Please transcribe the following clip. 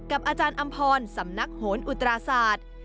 อาจารย์อำพรสำนักโหนอุตราศาสตร์